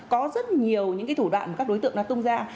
có rất nhiều những cái thủ đoạn của các đối tượng nó tung ra